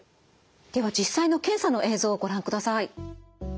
では実際の検査の映像をご覧ください。